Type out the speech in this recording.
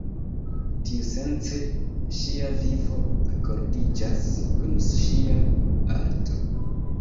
Tiusence, ŝia vivo akordiĝas kun ŝia arto.